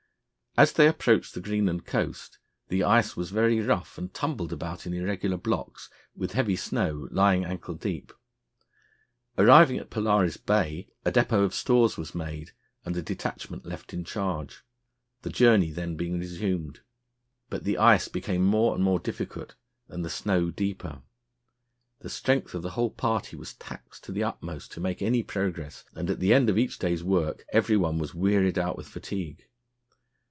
As they approached the Greenland coast the ice was very rough and tumbled about in irregular blocks, with heavy snow lying ankle deep. Arriving at Polaris Bay, a depôt of stores was made and a detachment left in charge, the journey then being resumed; but the ice became more and more difficult, and the snow deeper. The strength of the whole party was taxed to the utmost to make any progress, and at the end of each day's work every one was wearied out with fatigue.